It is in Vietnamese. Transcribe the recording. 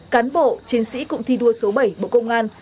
cán bộ chiến sĩ cụm thi đua số bảy bộ công an